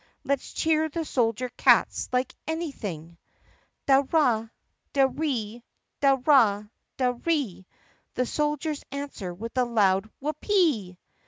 Let 's cheer the soldier cats like anything! Da! ra! da, ree! da! ra! da! ree! The soldiers answer with a loud "Whoopee!"